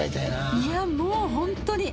いやもうホントに。